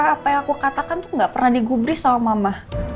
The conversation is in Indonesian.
apa yang aku katakan tuh gak pernah digubri sama mama